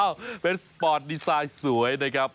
เป็นสปอร์ตดีไซน์สวยนะครับ